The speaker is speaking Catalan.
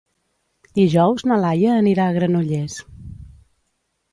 Dijous na Laia anirà a Granollers.